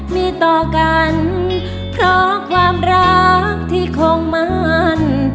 มีต่อกันเพราะความรักที่คงมั่น